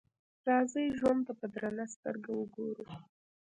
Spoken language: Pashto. راځئ ژوند ته په درنه سترګه وګورو.